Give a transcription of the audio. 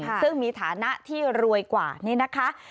ซึ่งมีฐานะที่รวยกว่านี่นะคะ